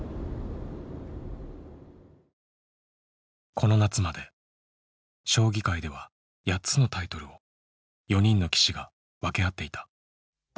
この夏まで将棋界では８つのタイトルを４人の棋士が分け合っていた。